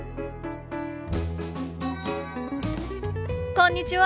こんにちは。